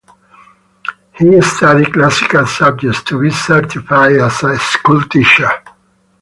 He studied classical subjects to be certified as a schoolteacher.